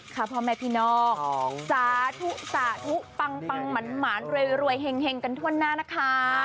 ๒๗ค่ะพ่อแม่พี่น้องสาธุปังหรวยเฮ็งกันทั่วหน้านะคะ